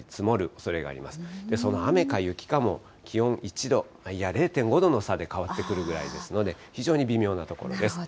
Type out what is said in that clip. その雨か雪かも気温１度、いや、０．５度の差で変わってくるぐらいですので、非常に微妙なところです。